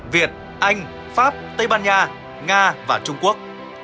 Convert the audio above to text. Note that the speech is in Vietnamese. việt anh pháp tây ban nha nga và trung quốc